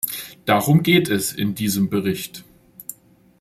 Darum geht es in diesem Bericht.